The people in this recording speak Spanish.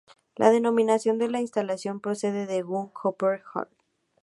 La denominación de la instalación procede de Guy Cooper, Jr.